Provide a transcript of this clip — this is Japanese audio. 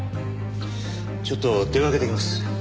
ちょっと出掛けてきます。